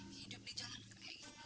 hidup di jalan kayak gitu